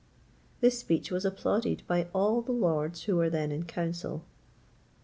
This speech was applauded by all the lords who were then in council.